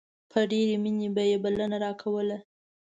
په ډېرې مينې به يې بلنه راکوله.